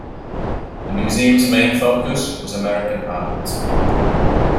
The museum's main focus was American art.